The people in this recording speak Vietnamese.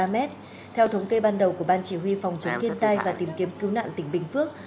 theo thống kê ban đầu của ban chỉ huy phòng chống thiên tai và tìm kiếm cứu nạn tỉnh bình phước